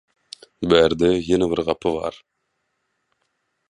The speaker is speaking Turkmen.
Bärde ýene bir gapy bar